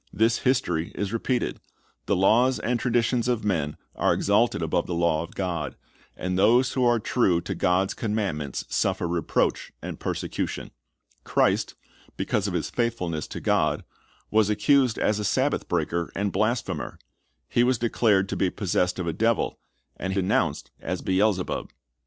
This history is repeated. The laws and traditions of men are exalted above the law of God, and those who are true to God's commandments suffer reproach and persecution. Christ, because of His faithfulness to God, was accused as a Sabbath breaker and blasphemer. He was declared to be possessed of a devil, and was denounced as Beel/.cbub.